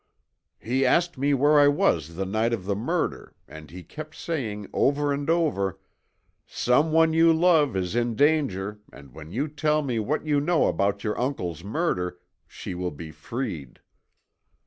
"He asked me where I was the night of the murder, and he kept saying over and over, 'someone you love is in danger and when you tell me what you know about your uncle's murder, she will be freed.'